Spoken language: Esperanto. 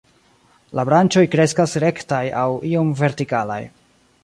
La branĉoj kreskas rektaj aŭ iom vertikalaj.